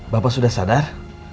bapak sudah sadar